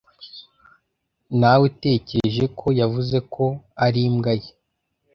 Nawetekereje ko yavuze ko ari imbwa ye.